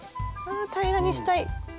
ああ平らにしたい。